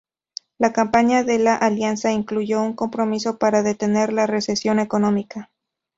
La campaña de la alianza incluyó un compromiso para detener la recesión económica.